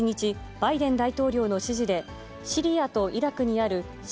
バイデン大統領の指示で、シリアとイラクにある親